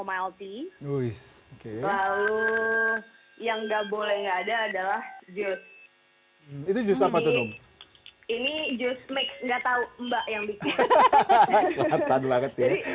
melty lalu yang nggak boleh nggak ada adalah jodoh ini juga enggak tahu mbak yang lebih